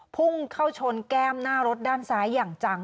พุ่งเข้าชนแก้มหน้ารถด้านซ้ายอย่างจัง